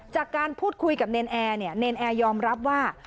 จากการพูดคุยกับเนรนแอร์เนี่ยเนรนแอร์ยอมรับว่า